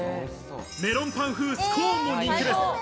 メロンパン風スコーンも人気です。